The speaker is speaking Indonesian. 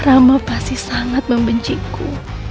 rama pasti sangat membenciku